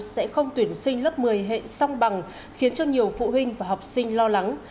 sẽ không tuyển sinh lớp một mươi hệ song bằng khiến cho nhiều phụ huynh và học sinh lo lắng